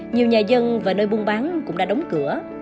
nhiều nhà dân và nơi buôn bán cũng đã đóng cửa